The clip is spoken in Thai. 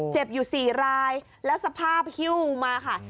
เจ็บอยู่๔รายแล้วสภาพฮิ้วมาค่ะ